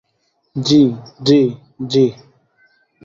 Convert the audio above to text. জি, জি, জি।